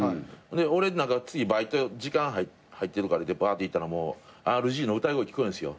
で俺次バイト時間入ってるからってバーッていったらもうＲＧの歌声聞こえるんすよ。